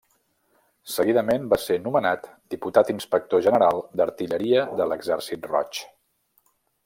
Seguidament va ser nomenat Diputat Inspector General d'Artilleria de l'Exèrcit Roig.